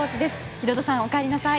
ヒロドさん、お帰りなさい。